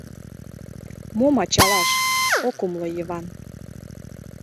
— Мом ачалаш? — ок умыло Йыван.